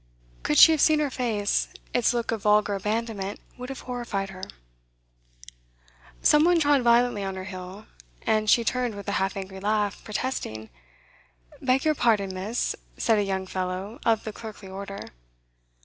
Could she have seen her face, its look of vulgar abandonment would have horrified her. Some one trod violently on her heel, and she turned with a half angry laugh, protesting. 'Beg your pardon, miss,' said a young fellow of the clerkly order.